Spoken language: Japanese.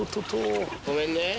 ごめんね。